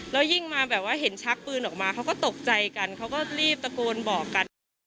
แล้วยิ่งมาแบบว่าเห็นชักปืนออกมาเขาก็ตกใจกันเขาก็รีบตะโกนบอกกัน